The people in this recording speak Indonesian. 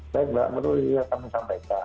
baik mbak perlu dikatakan sama mereka